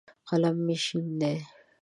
قلم مې شین دی.